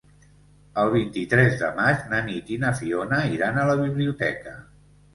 El vint-i-tres de maig na Nit i na Fiona iran a la biblioteca.